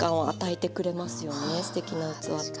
すてきな器って。